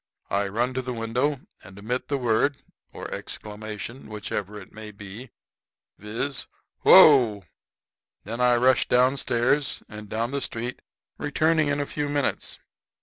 I run to the window and emit the word or exclamation, which ever it may be viz, 'Whoa!' Then I rush down stairs and down the street, returning in a few minutes.